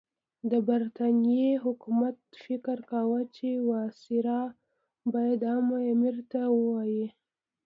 د برټانیې حکومت فکر کاوه چې وایسرا باید امیر ته ووايي.